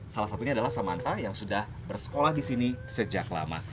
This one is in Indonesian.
salah satunya adalah samantha yang sudah bersekolah di sini sejak lama